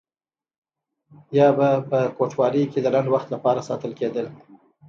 یا به په کوټوالۍ کې د لنډ وخت لپاره ساتل کېدل.